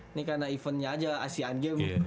ini karena eventnya aja asian game